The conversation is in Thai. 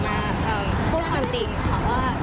ก็วันนี้จะออกมาพูดความจริงค่ะว่า